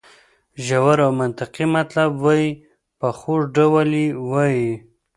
ژور او منطقي مطلب وایي په خوږ ډول یې وایي.